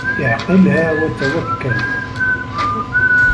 اعقلها وتوكل